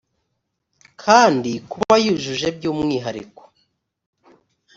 kandi kuba yujuje by umwihariko